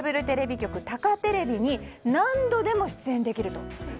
テレビ局たかテレビに何度でも出演できると。